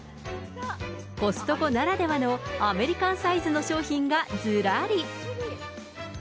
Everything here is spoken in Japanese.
コストコならではの、アメリカンサイズの商品がずらり。